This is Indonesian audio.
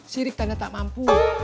sirik tanya tak mampu